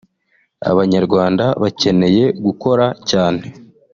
Abanyarwanda bakeneye gukora cyane